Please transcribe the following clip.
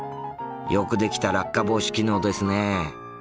よくできた落下防止機能ですね。